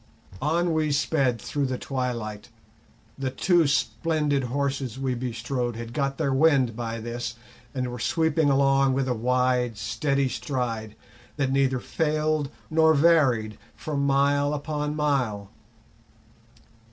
On we sped through the twilight, the two splendid horses we bestrode had got their wind by this, and were sweeping along with a wide steady stride that neither failed nor varied for mile upon mile.